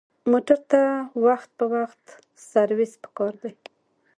موټر ته وخت په وخت سروس پکار دی.